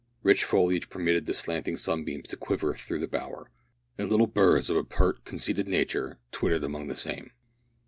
Rich foliage permitted the slanting sunbeams to quiver through the bower, and little birds, of a pert conceited nature, twittered among the same.